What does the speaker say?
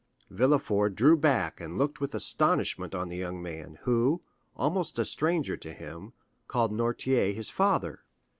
Villefort drew back and looked with astonishment on the young man, who, almost a stranger to him, called Noirtier his father.